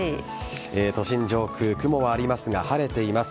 都心上空、雲はありますが晴れています。